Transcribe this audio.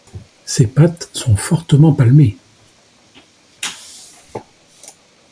Ses pattes sont fortement palmées.